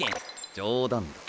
冗談だ。